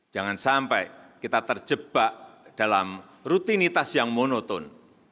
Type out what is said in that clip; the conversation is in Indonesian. jangan sampai kita terjebak dalam rutinitas yang monoton